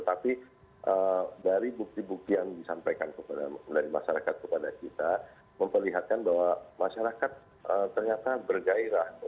tapi dari bukti bukti yang disampaikan dari masyarakat kepada kita memperlihatkan bahwa masyarakat ternyata bergairah